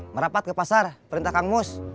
merapat ke pasar perintah kang mus